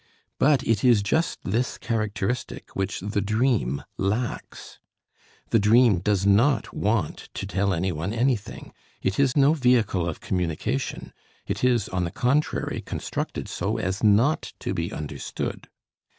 But it is just this characteristic which the dream lacks. The dream does not want to tell anyone anything, it is no vehicle of communication, it is, on the contrary, constructed so as not to be understood.